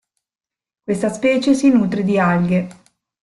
Questa specie si nutre di alghe.